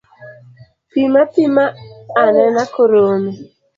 Pim apima anena koromi.